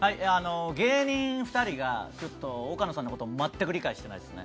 芸人２人が、岡野さんのことを全く理解してないですね。